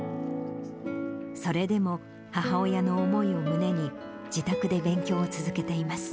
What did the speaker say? それでも母親の思いを胸に、自宅で勉強を続けています。